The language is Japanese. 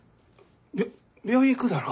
びょ病院行くだろ。